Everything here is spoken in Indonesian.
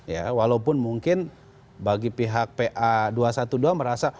ya walaupun mungkin bagi pihak pa dua ratus dua belas merasa